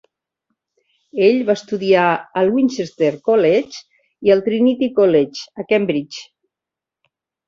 Ell va estudiar al Winchester College i al Trinity College, a Cambridge.